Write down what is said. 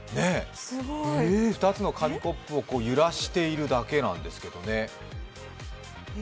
２つの紙コップを揺らしているだけなんですけどね。